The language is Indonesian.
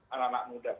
anak anak muda kita